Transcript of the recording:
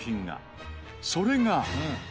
それが！